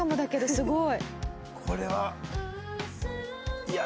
すごい！